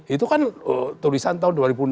itu kan tulisan tahun dua ribu enam belas